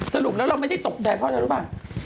สรุปแล้วเราไม่ได้ตกแสดงเขานะรู้บ้าง